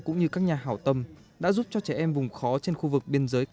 cũng như các nhà hảo tâm đã giúp cho trẻ em vùng khó trên khu vực biên giới